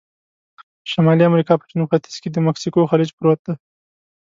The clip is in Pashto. د شمالي امریکا په جنوب ختیځ کې د مکسیکو خلیج پروت دی.